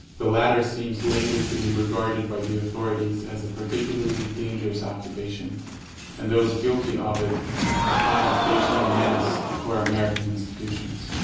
(The latter seems lately to be regarded by the authorities as a particularly dangerous occupation, and those guilty of it a prima facie menace to our American institutions.)